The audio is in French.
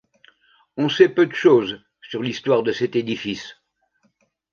On sait peu de choses sur l’histoire de cet édifice.